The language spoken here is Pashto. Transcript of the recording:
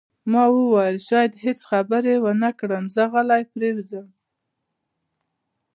ما وویل: شاید هیڅ خبرې ونه کړم، زه غلی پرېوځم.